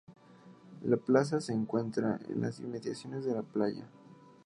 La plaza se encuentra en las inmediaciones de la playa.